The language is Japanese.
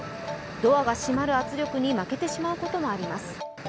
ドアが閉まる圧力に負けてしまうこともあります。